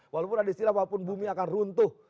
walaupun ada istilah walaupun bumi akan runtuh